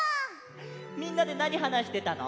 みんなでなにはなしてたの？